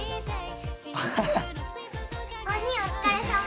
お兄お疲れさま。